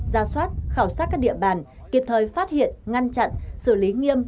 ra soát khảo sát các địa bàn kịp thời phát hiện ngăn chặn xử lý nghiêm